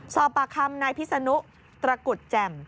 สอบปากคำนายพิษนุตระกุฎแจ่ม